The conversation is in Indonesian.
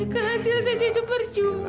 hasil tas itu percuma